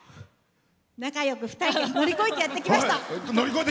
仲よく２人で乗り越えてやってきました。